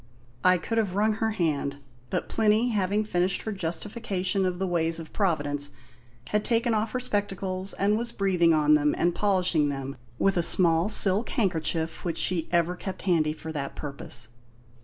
I could have wrung her hand; but Plinny, having finished her justification of the ways of Providence, had taken off her spectacles and was breathing on them and polishing them with a small silk handkerchief which she ever kept handy for that purpose.